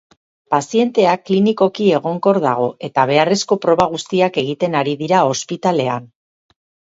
Pazientea klinikoki egonkor dago eta beharrezko proba guztiak egiten ari dira ospitalean.